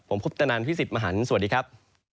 ผมพบตนันพี่สิบมหันสวัสดีครับ